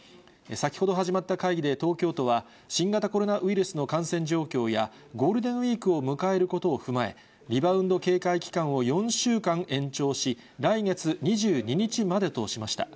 先ほど始まった会議で東京都は新型コロナウイルスの感染状況や、ゴールデンウィークを迎えることを踏まえ、リバウンド警戒期間を４週間延長し、来月２２日までとしました。